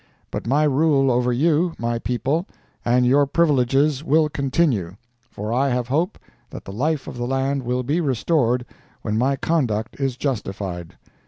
But my rule over you, my people, and your privileges will continue, for I have hope that the life of the land will be restored when my conduct is justified.